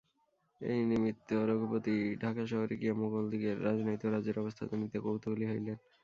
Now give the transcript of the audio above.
এই নিমিত্ত রঘুপতি ঢাকা শহরে গিয়া মোগলদিগের রাজনীতি ও রাজ্যের অবস্থা জানিতে কৌতূহলী হইলেন।